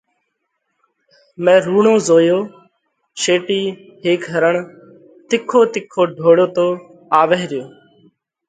مئين رُوڙون زويو شيٽِي هيڪ هرڻ تِکو تِکو ڍوڙتو آوئه ريو۔